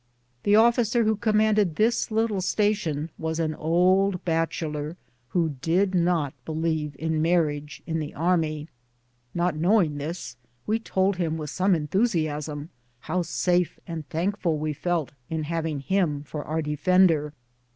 The officer who commanded this little station was an old bachelor who did not believe in marriage in the THE SUMMER OF THE BLACK HILLS EXPEDITION. 183 army. Not knowing this, we told him, with some en thusiasm, how safe and thankful we felt in having him for our defender.